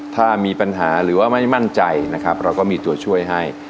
ถ้ามีปัญหาหรือว่าไม่มั่นใจนะครับเราก็มีตัวช่วยให้